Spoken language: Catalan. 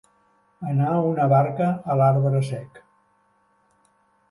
Anar una barca a l'arbre sec.